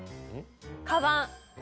かばん。